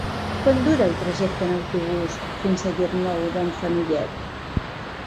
Quant dura el trajecte en autobús fins a Llocnou d'en Fenollet?